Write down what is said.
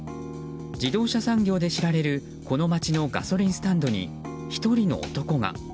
自動車産業で知られるこの街のガソリンスタンドに１人の男が。